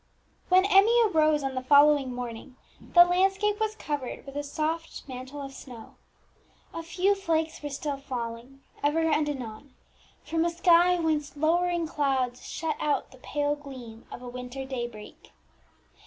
When Emmie arose on the following morning, the landscape was covered with a soft mantle of snow. A few flakes were still falling, ever and anon, from a sky whence lowering clouds shut out the pale gleam of a winter daybreak.